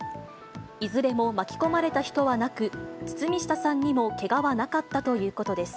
いずれも巻き込まれた人はなく、堤下さんにもけがはなかったということです。